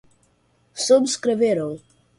Subscreverão